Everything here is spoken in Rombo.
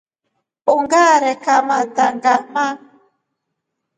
Ungare kamata ngama.